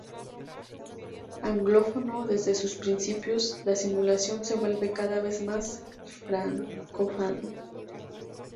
Anglófono desde sus principios, la simulación se vuelve cada vez más francófona.